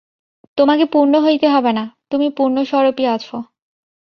তোমাকে পূর্ণ হইতে হইবে না, তুমি পূর্ণস্বরূপই আছ।